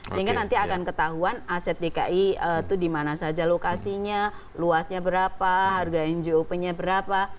sehingga nanti akan ketahuan aset dki itu di mana saja lokasinya luasnya berapa harga njop nya berapa